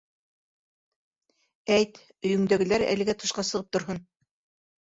Әйт, өйөңдәгеләр әлегә тышҡа сығып торһон.